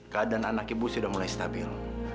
keadaan anak ibu sudah mulai stabil